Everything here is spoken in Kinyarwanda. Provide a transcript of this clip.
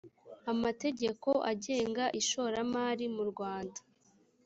amategeko agenga ishoramari mu rwanda